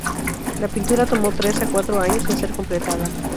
La pintura tomó de tres a cuatro años en ser completada.